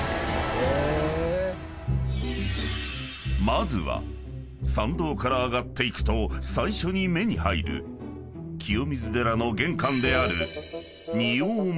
［まずは参道から上がっていくと最初に目に入る清水寺の玄関である］